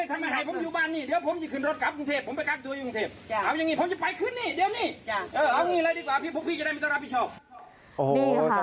อันน้อใจมาประกาศจังหวัด